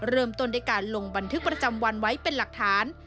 เริ่มต้นด้วยการลงบันทึกประจำวันไว้เป็นหลักฐาน